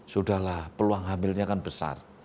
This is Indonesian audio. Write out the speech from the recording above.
sudah lah peluang hamilnya kan besar